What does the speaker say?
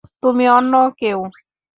তুমি অন্য কেউ।